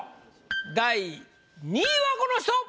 第２位はこの人！